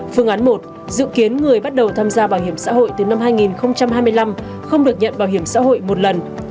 phương án một dự kiến người bắt đầu tham gia bảo hiểm xã hội từ năm hai nghìn hai mươi năm không được nhận bảo hiểm xã hội một lần